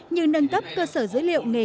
như nâng cấp cơ sở dữ liệu nghề cáo